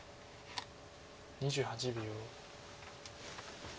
２８秒。